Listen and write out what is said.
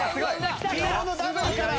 黄色のダブルから。